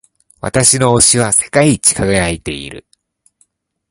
私の押しは世界一輝いている。